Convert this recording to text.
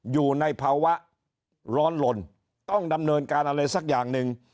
อยู่ในภาวะร้อนหล่นต้องดำเนินการอะไรสักอย่างหนึ่ง